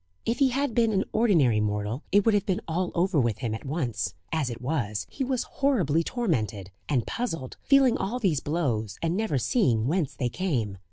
If he had been an ordinary mortal it would have been all over with him at once; as it was, he was horribly tormented, and puzzled feeling all these blows, and never seeing whence they came.